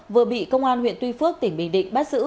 vừa bị công an huyện tuy phước tỉnh bình định bắt giữ